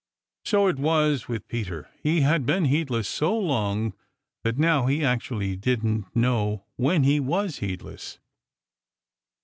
So it was with Peter. He had been heedless so long that now he actually didn't know when he was heedless.